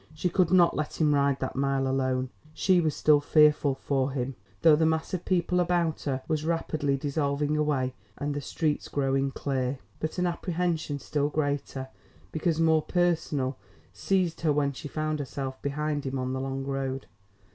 She could not let him ride that mile alone. She was still fearful for him, though the mass of people about her was rapidly dissolving away, and the streets growing clear. But an apprehension still greater, because more personal, seized her when she found herself behind him on the long road.